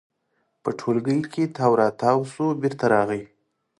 په ټولګي کې تاو راتاو شو، بېرته راغی.